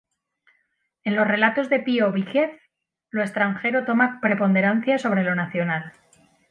En los relatos de Pío Víquez, lo extranjero toma preponderancia sobre lo nacional.